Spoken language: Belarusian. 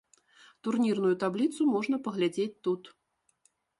Турнірную табліцу можна паглядзець тут.